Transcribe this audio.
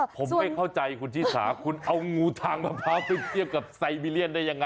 ผมไม่เข้าใจครุ่นธิสาคุณเอางูทางมาพาไปเกียรติกับไซมิเลแลนด์ได้ยังไง